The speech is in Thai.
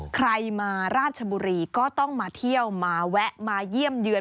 ใครมาราชบุรีก็ต้องมาเที่ยวมาแวะมาเยี่ยมเยือน